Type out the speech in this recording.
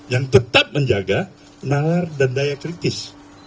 yang tetap menjaga nalar dan daya kritis